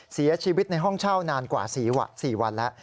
เสียชีวิตในห้องเช่านานกว่า๔วันแล้ว